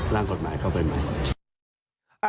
ร่างกฎหมายเข้าไปใหม่